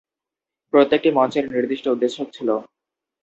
প্রত্যেকটি মঞ্চের নির্দিষ্ট উদ্দেশ্য ছিল।